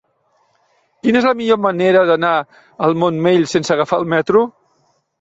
Quina és la millor manera d'anar al Montmell sense agafar el metro?